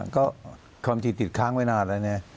ก็ความจริงติดค้างไว้นานแล้วเนี่ย